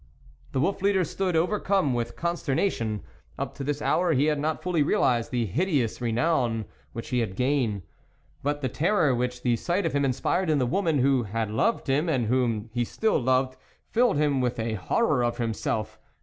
The Wolf leader stood overcome with consternation ; up to this hour he had not fully realised the hideous renown which he had gained ; but the terror which the sight of him inspired in the woman who had loved him and whom he still loved, filled him with a hoiror of himself.